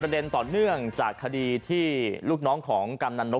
เด็นต่อเนื่องจากคดีที่ลูกน้องของกำนันนก